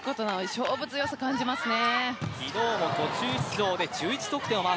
勝負強さ感じますね。